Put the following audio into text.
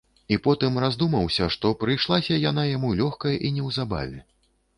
І потым раздумаўся, што прыйшлася яна яму лёгка й неўзабаве.